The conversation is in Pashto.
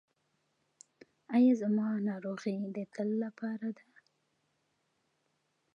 ایا زما ناروغي د تل لپاره ده؟